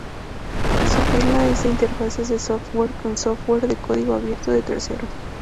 Su pila es de interfaces de software con software de código abierto de terceros.